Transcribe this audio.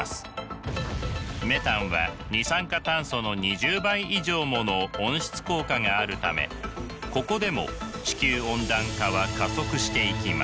メタンは二酸化炭素の２０倍以上もの温室効果があるためここでも地球温暖化は加速していきます。